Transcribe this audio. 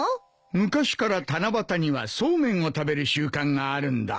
昔から七夕にはそうめんを食べる習慣があるんだ。